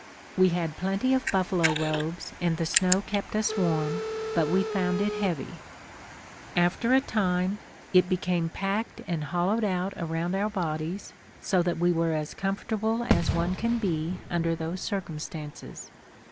We had plenty of buffalo robes and the snow kept us warm, but we found it heavy. After a time, it became packed and hollowed out around our bodies, so that we were as comfortable as one can be under those circumstances.